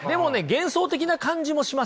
幻想的な感じもしません？